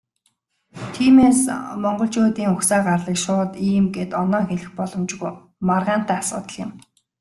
Тиймээс, монголчуудын угсаа гарлыг шууд "ийм" гээд оноон хэлэх боломжгүй, маргаантай асуудал юм.